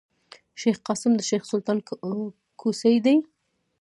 شېخ قاسم د شېخ سلطان کوسی دﺉ.